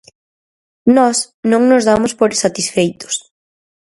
Nós non nos damos por satisfeitos.